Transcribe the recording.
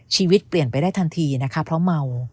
ชีวิตเปลี่ยนไปได้ทันทีนะคะเพราะเมา